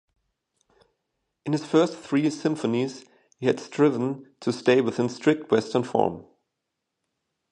In his first three symphonies he had striven to stay within strict Western form.